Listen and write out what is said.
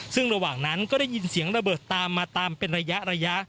ซึ่งระหว่างนั้นก็ได้ยินเสียงระเบิดตามมาตามเป็นระยะ